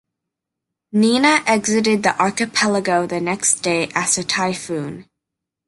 Nina exited the archipelago the next day as a typhoon.